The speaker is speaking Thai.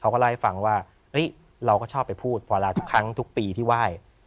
เขาก็เล่าให้ฟังว่าเราก็ชอบไปพูดพอลาทุกครั้งทุกปีที่ไหว้